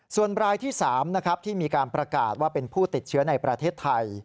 ส่วนรายที่๓นะครับที่มีการประกาศว่าเป็นผู้ติดเชื้อในประเทศไทย